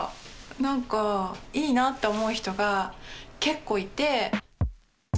なんかいいなって思う人が結構いて。